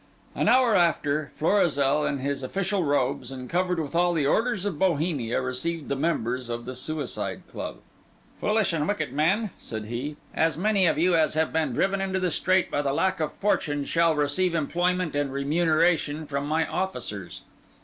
An hour after, Florizel in his official robes, and covered with all the orders of Bohemia, received the members of the Suicide Club. "Foolish and wicked men," said he, "as many of you as have been driven into this strait by the lack of fortune shall receive employment and remuneration from my officers.